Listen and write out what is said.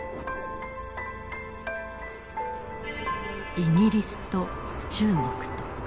イギリスと中国と。